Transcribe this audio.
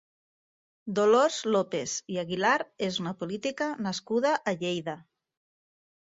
Dolors López i Aguilar és una política nascuda a Lleida.